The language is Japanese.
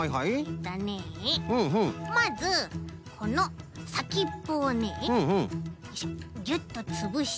まずこのさきっぽをねよいしょギュッとつぶして。